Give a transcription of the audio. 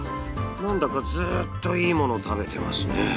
なんだかずっといいもの食べてますね。